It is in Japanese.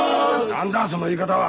何だその言い方は。